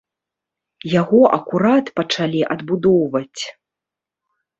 Яго акурат пачалі адбудоўваць.